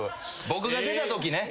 僕が出たときね。